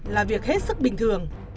là việc hết sức bình thường